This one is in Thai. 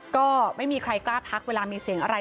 ก็ไม่มีใครกล้าทักเวลามีเสียงอะไร